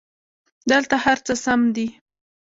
دلته هرڅه سم دي